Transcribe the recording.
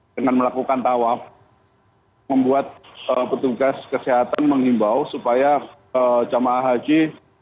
dengan melakukan tawaf membuat petugas kesehatan mengimbau supaya jamaah haji